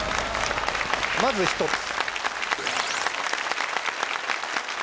まず１つ。